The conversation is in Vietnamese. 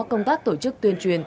công tác tổ chức tuyên truyền